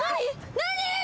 何？